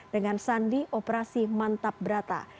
dengan sandi operasi mantap brata